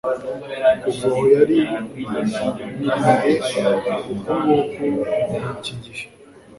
kuva aho nari nganiye uku nguku ni iki gihe